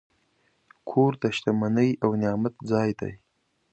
کور د شتمنۍ او نعمت ځای دی.